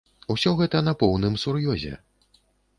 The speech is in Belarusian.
Усё гэта на поўным сур'ёзе!